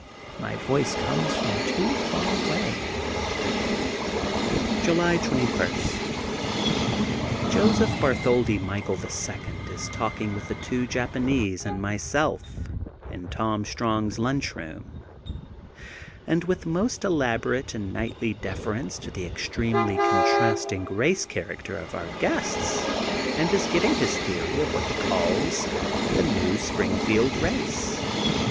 My voice comes from too far away. July 21: — Joseph Bartholdi Michael, the Second, is talking with the two Japanese and myself in Tom Strong's Lunch Room, and, with most elaborate and knightly deference to the extremely contrasting race character of our guests, and is giving his theory of what he calls: — The New Springfield Race.''